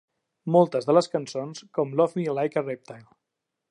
Moltes de les cançons, com "Love Me Like a Reptile".